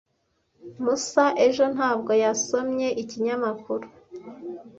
Musa ejo ntabwo yasomye ikinyamakuru.